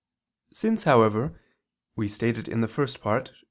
Since, however, we stated in the First Part (Q.